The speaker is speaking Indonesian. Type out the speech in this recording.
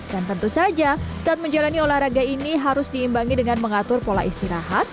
dan tentu saja saat menjalani olahraga ini harus diimbangi dengan mengatur pola istirahat